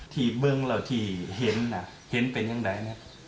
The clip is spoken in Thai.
ที่เบื้องเราที่เห็นอ่ะเห็นเป็นยังไงนะ